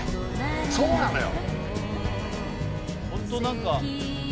そうなのよ